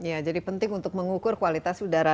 ya jadi penting untuk mengukur kualitas udara